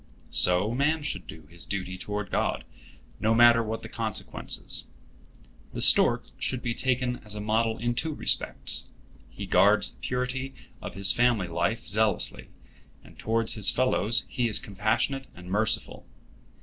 So man should do his duty toward God, no matter what the consequences. The stork should be taken as a model in two respects. He guards the purity of his family life zealously, and toward his fellows he is compassionate and merciful.